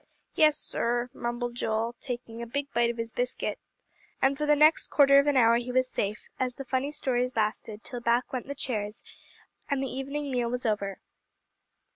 "Yes, sir," mumbled Joel, taking a big bite of his biscuit; and for the next quarter of an hour he was safe, as the funny stories lasted till back went the chairs, and the evening meal was over.